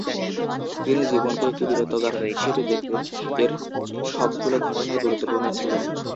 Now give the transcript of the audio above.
তিনি জীবনকে একটি বীরত্বগাথা হিসেবে দেখতেন, এর সবগুলো ঘটনাই গুরুত্বপূর্ণ ছিল।